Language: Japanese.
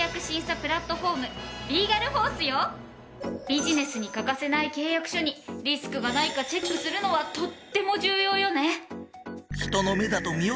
ビジネスに欠かせない契約書にリスクがないかチェックするのはとっても重要よね。